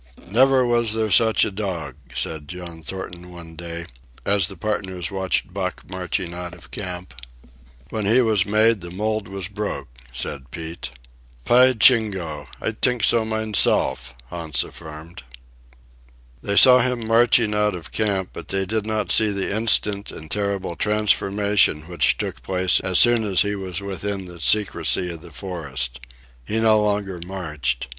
"Never was there such a dog," said John Thornton one day, as the partners watched Buck marching out of camp. "When he was made, the mould was broke," said Pete. "Py jingo! I t'ink so mineself," Hans affirmed. They saw him marching out of camp, but they did not see the instant and terrible transformation which took place as soon as he was within the secrecy of the forest. He no longer marched.